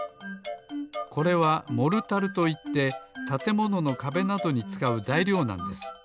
これはモルタルといってたてもののかべなどにつかうざいりょうなんです。